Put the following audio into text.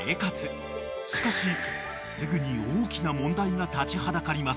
［しかしすぐに大きな問題が立ちはだかります］